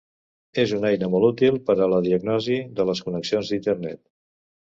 És una eina molt útil per a la diagnosi de les connexions d'Internet.